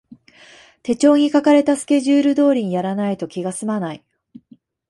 手帳に書かれたスケジュール通りにやらないと気がすまない